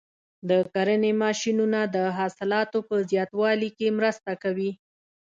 د کرنې ماشینونه د حاصلاتو په زیاتوالي کې مرسته کوي.